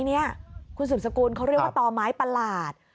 ต่อไม้นี้คุณสุดสกุลเขาเรียกต่อไม้ประหลาด